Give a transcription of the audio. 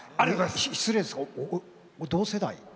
失礼ですが同世代？